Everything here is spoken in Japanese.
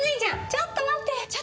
ちょっと待って！